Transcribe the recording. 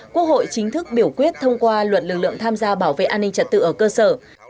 quốc hội chính thức biểu quyết thông qua luật lực lượng tham gia bảo vệ an ninh trật tự ở cơ sở